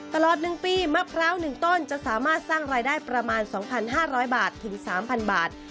ตลอด๑ปีมะพร้าว๑ต้นจะสามารถสร้างรายได้ประมาณ๒๕๐๐บาทถึง๓๐๐บาท